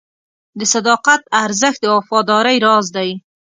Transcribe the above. د صداقت ارزښت د وفادارۍ راز دی.